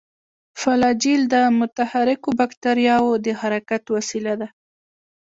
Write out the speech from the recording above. فلاجیل د متحرکو باکتریاوو د حرکت وسیله ده.